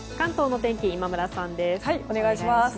お願いします。